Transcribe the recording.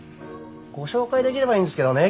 ご紹介できればいいんですけどね